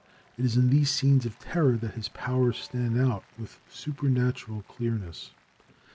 It is in these scenes of terror that his powers stand out with supernatural clearness.